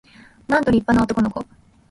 なんと立派な男の子